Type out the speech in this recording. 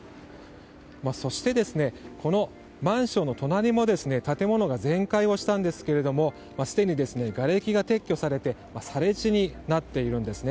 そして、このマンションの隣も建物が全壊をしたんですけれどもすでにがれきが撤去されて更地になっているんですね。